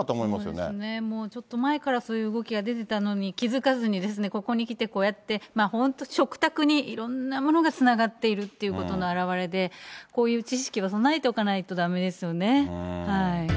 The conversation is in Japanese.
そうですね、もうちょっと前から、そういう動きが出てたのに、気付かずに、ここにきてこうやって、本当食卓に、いろんなものがつながっているということの表れで、こういう知識も備えておかないとだめですよね。